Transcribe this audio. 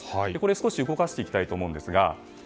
少し動かしていきたいと思うんですが